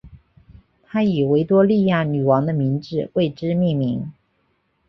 他以维多利亚女王的名字为之命名。